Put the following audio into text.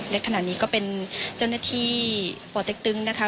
และขณะนี้ก็เป็นเจ้าหน้าที่ป่อเต็กตึงนะคะ